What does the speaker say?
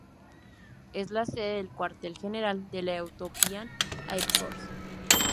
Es la sede del cuartel general de la Ethiopian Air Force.